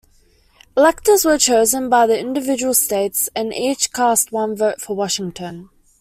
Electors were chosen by the individual states, and each cast one vote for Washington.